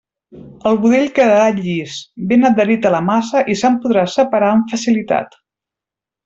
El budell quedarà llis, ben adherit a la massa i se'n podrà separar amb facilitat.